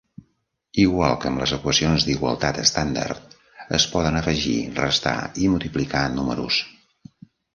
Igual que amb les equacions d'igualtat estàndard, es poden afegir, restar i multiplicar números.